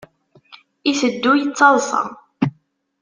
Iteddu yettaḍsa.